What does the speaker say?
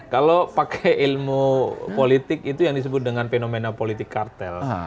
kalau pakai ilmu politik itu yang disebut dengan fenomena politik kartel